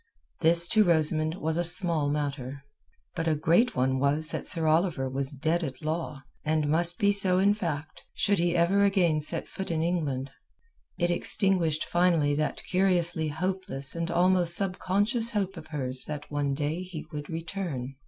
This to Rosamund was a small matter. But a great one was that Sir Oliver was dead at law, and must be so in fact, should he ever again set foot in England. It extinguished finally that curiously hopeless and almost subconscious hope of hers that one day he would return.